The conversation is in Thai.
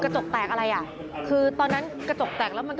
ใช่นะฮะ